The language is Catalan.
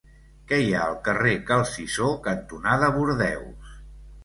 Què hi ha al carrer Cal Cisó cantonada Bordeus?